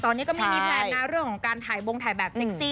ตอนนี้ก็ไม่มีแพลนนะเรื่องของการถ่ายบงถ่ายแบบเซ็กซี่